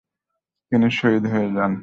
তিনি শহীদ হয়ে যান।